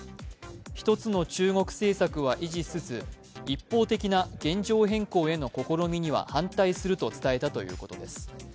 一つの中国政策は維持しつつ一方的な現状変更への試みには反対すると伝えたということです。